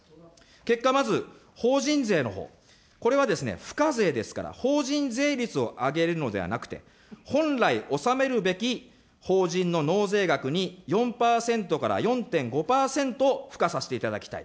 結果、まず法人税のほう、これは付加税ですから、法人税率を上げるのではなくて、本来納めるべき法人の納税額に４％から４．５％を付加させていただきたい。